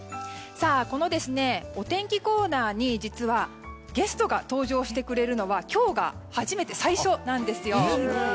このお天気コーナーに、実はゲストが登場してくれるのは今日が最初なんですよ。